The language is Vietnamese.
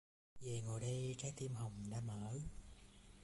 Về ngồi đây, trái tim hồng đã mở